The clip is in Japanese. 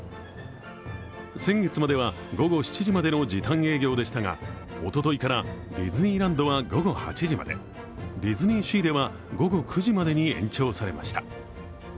先月までは午後７時までの時短営業でしたがおとといからディズニーランドは午後８時まで、ディズニーシーでは午後９時までに延長されました。